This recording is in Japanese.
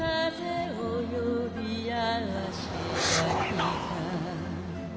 すごいな。